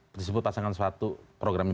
tersebut pasangan suatu programnya